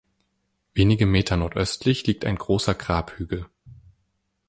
Wenige Meter nordöstlich liegt ein großer Grabhügel.